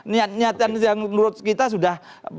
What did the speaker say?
niat niatan yang menurut kita sudah